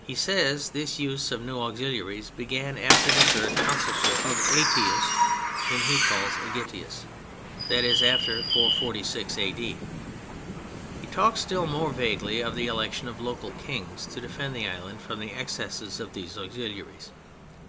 He says this use of new auxiliaries began after the Third Consulship of Aëtius (whom he calls "Agitius"), that is, after 446 A.D. He talks still more vaguely of the election of local kings to defend the island from the excesses of these auxiliaries.